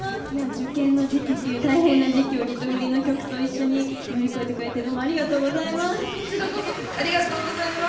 受験の時期っていう大変な時期を一緒に乗り越えてくれてどうもありがとうございます。